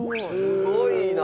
すごいな。